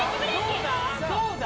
どうだ？